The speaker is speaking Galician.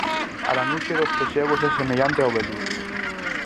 A lanuxe dos pexegos é semellante ao veludo.